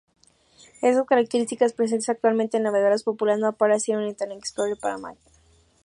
Estás características presentes actualmente en navegadores populares no aparecieron en Internet Explorer para Mac.